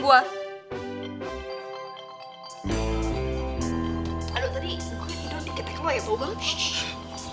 aduh tadi gue ngedown diketek lo kayak bau banget